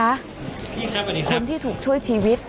สวัสดีครับคุณที่ถูกช่วยชีวิต